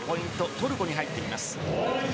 トルコに入っています。